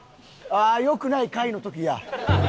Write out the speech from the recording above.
ああ良くない回の時や。